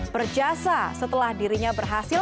berjasa setelah dirinya berhasil